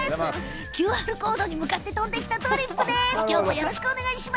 ＱＲコードに向かって飛んできたとりっぷです。